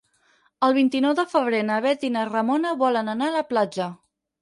El vint-i-nou de febrer na Bet i na Ramona volen anar a la platja.